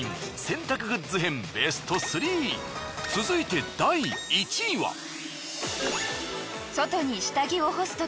続いて第１位は。